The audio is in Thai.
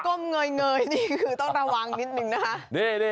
้มเงยนี่คือต้องระวังนิดนึงนะคะ